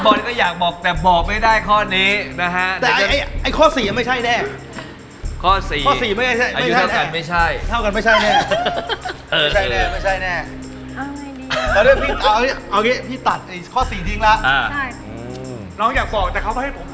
น้องอยากบอกแต่เขาเราให้ผมบอก